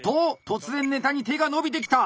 突然ネタに手が伸びてきた！